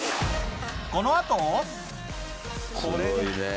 このあと。